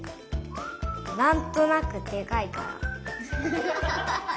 なんとなくでかいから。